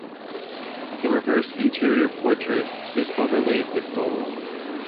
The reverse interior portrait is overlaid with gold.